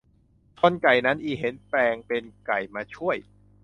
ชนไก่นั้นอีเห็นแปลงเป็นไก่มาช่วย